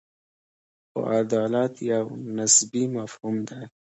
خو عدالت یو نسبي مفهوم دی.